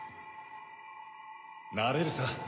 なれるさ！